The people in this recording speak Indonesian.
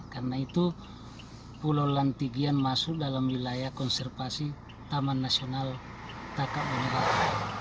karena itu pulau lantigian masuk dalam wilayah konservasi taman nasional takabonerate